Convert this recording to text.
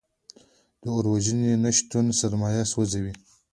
د اور وژنې نشتون سرمایه سوځوي.